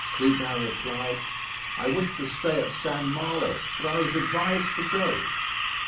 Clubin replied: "I wished to stay at St. Malo, but I was advised to go."